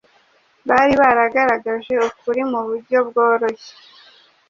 Bari baragaragaje ukuri mu buryo bworoshye